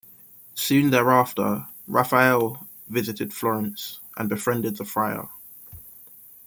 Soon thereafter, Raphael visited Florence and befriended the friar.